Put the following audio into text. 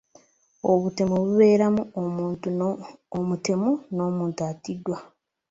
Obutemu bubeeramu omutemu n'omuntu attiddwa.